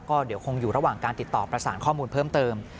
ก็เดี๋ยวคงอยู่ระหว่างการติดต่อประสานข้อมูลเพิ่มเติม